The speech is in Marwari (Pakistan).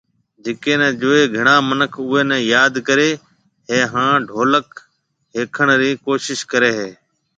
جڪي ني جوئي گھڻا منک اوئي ني ياد ڪري ھيَََ ھان ڍولڪ ۿيکڻ رِي ڪوشش ڪري ھيَََ